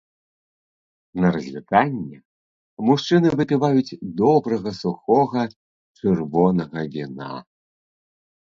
На развітанне мужчыны выпіваюць добрага сухога чырвонага віна.